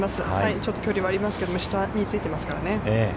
ちょっと距離はありますけども、下についてますからね。